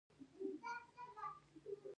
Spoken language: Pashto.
د خپل هیواد د ابادۍ لپاره.